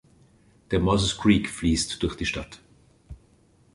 Der Morses Creek fließt durch die Stadt.